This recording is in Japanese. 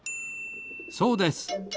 そうです。